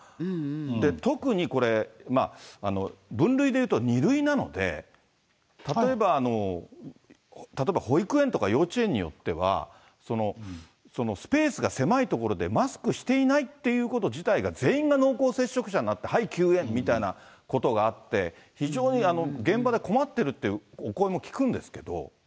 で、特にこれ、分類でいうと、２類なので、例えば、保育園とか幼稚園によっては、スペースが狭い所でマスクしていないっていうこと自体が、全員が濃厚接触者になって、はい、休園みたいなことがあって、非常に現場で困ってるってお声も聞くんですけど。